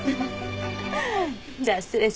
じゃあ失礼します。